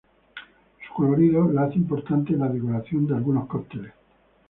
Su colorido la hace importante en la decoración de algunos cócteles.